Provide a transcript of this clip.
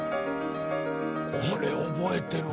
これ覚えてるわ。